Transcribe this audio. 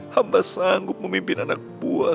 hamba sanggup memimpin anak buah